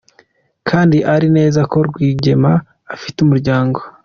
Kandi azi neza ko Rwigema afite umuryango?